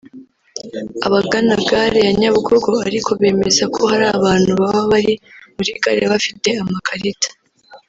Abagana gare ya Nyabugogo ariko bemeza ko hari abantu baba bari muri gare bafite amakarita